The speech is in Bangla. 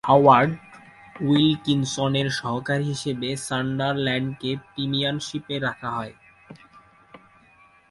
হাওয়ার্ড উইলকিনসনের সহকারী হিসেবে সান্ডারল্যান্ডকে প্রিমিয়ারশিপে রাখা হয়।